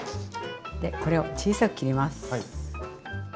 でこれを小さく切ります。